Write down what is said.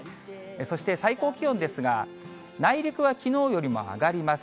そして最高気温ですが、内陸はきのうよりも上がります。